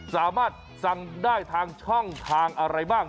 สามารถสั่งได้ทางช่องทางอะไรบ้าง